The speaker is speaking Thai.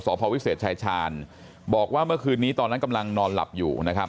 ภาวิเศษชายชาญบอกว่าเมื่อคืนนี้ตอนนั้นกำลังนอนหลับอยู่นะครับ